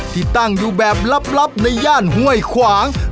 ที่ตั้งอยู่แบบลับในย่านห้วยขวาง